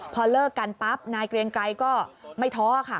พอเลิกกันปั๊บนายเกรียงไกรก็ไม่ท้อค่ะ